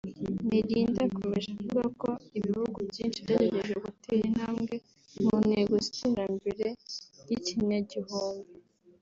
Melinda yakomeje avuga ko ibihugu byinshi byagerageje gutera intambwe mu ntego z’iterambere ry’ikinyagihumbi